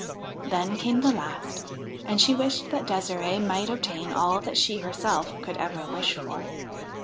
Then came the last, and she wished that Ddsirde might obtain all that she herself could ever wish for.